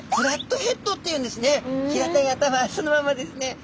平たい頭そのままですね。